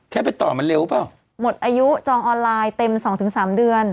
ไปต่อมันเร็วเปล่าหมดอายุจองออนไลน์เต็มสองถึงสามเดือน